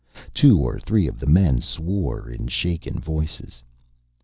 Two or three of the men swore, in shaken voices.